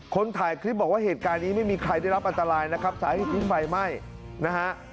คนถ่ายคลิปบอกว่าเหตุการณ์นี้ไม่มีใครได้รับอันตรายนะครับสาเหตุที่ไฟไหม้นะฮะ